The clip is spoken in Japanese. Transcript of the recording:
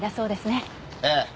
ええ。